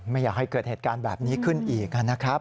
ไม่อยากให้เกิดเหตุการณ์แบบนี้ขึ้นอีกนะครับ